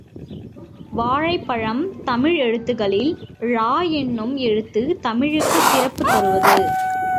வாழைப்பழம் தமிழ் எழுத்துக்களில் ழ —என்னும் எழுத்து தமிழுக்குச் சிறப்பு தருவது.